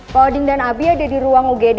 kalo odin dan abi ada di ruang ugd